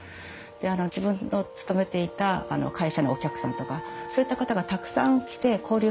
で自分の勤めていた会社のお客さんとかそういった方がたくさん来て交流されてた。